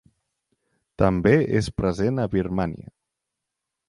També és present a Birmània.